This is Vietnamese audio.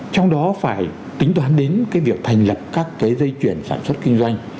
trong đó phải tính toán đến cái việc thành lập các cái dây chuyển sản xuất kinh doanh